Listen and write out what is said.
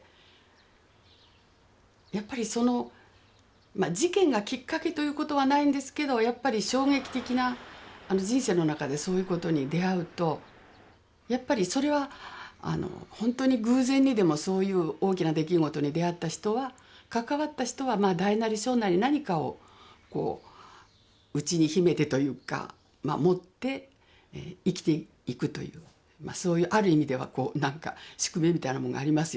やっぱりその事件がきっかけということはないんですけどやっぱり衝撃的な人生の中でそういうことに出会うとやっぱりそれはホントに偶然にでもそういう大きな出来事に出会った人は関わった人は大なり小なり何かを内に秘めてというかまあ持って生きていくというそういうある意味では何か宿命みたいなもんがありますよね。